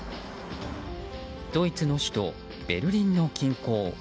ドイツの首都ベルリンの近郊。